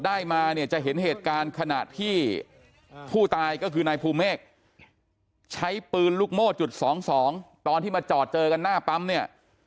ได้มาเนี่ยจะเห็นเหตุการณ์ขณะที่ผู้ตายก็คือนายภูเมฆใช้ปืนลูกโม่จุดสองสองตอนที่มาจอดเจอกันหน้าปั๊มเนี่ย